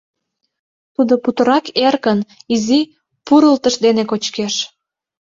Тудо путырак эркын, изи пурылтыш дене кочкеш.